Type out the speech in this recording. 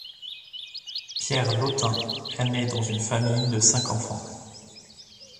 Pierre Lottin est né dans une famille de cinq enfants.